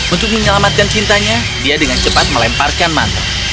untuk menyelamatkan cintanya dia dengan cepat melemparkan mante